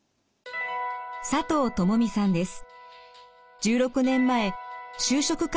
佐藤朋美さんです。